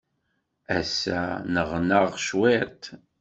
Ass-a, nneɣnaɣ cwiṭ.